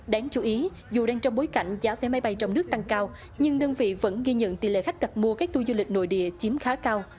đáng chú ý dù đang trong bối cảnh giá vé máy bay trong nước tăng cao nhưng đơn vị vẫn ghi nhận tỷ lệ khách đặt mua các tour du lịch nội địa chiếm khá cao